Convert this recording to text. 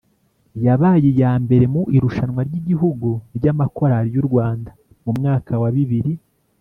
Yabaye iya mbere mu irushanwa ry'igihugu ry'amakorali y'u Rwanda mu mwaka wa bibiri